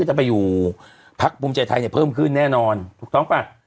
จะไปอยู่พักภูมิใจไทยเนี่ยเพิ่มขึ้นแน่นอนถูกต้องป่ะ